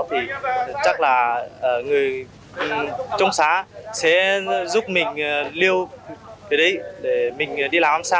thì chắc là người trong xá sẽ giúp mình lưu cái đấy để mình đi làm an xa